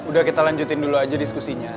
udah kita lanjutin dulu aja diskusinya